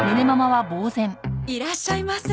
いらっしゃいませ。